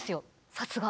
さすが。